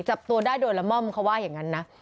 จับตัวได้โดยละม่อมเขาว่าอย่างนั้นนะ